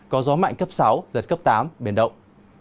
có gió mạnh cấp sáu giật cấp tám biển động